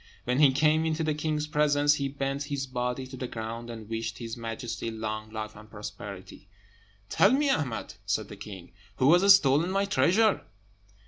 When he came into the king's presence, he bent his body to the ground, and wished his majesty long life and prosperity. "Tell me, Ahmed," said the king, "who has stolen my treasure?"